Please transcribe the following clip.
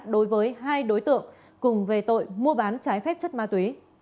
đối với hai đối tượng cùng về tội mua bán trái phép chất ma túy